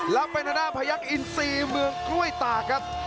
แล้วเป็นหน้าภัยยักอีซีเมืองกล้วยตากครับ